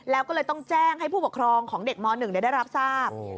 แล้วก็เลยต้องแจ้งให้ผู้ปกครองของเด็กม๑ได้รับทราบ